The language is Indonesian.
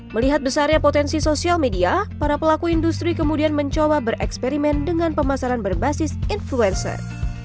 melihat besarnya potensi sosial media para pelaku industri kemudian mencoba bereksperimen dengan pemasaran berbasis influencer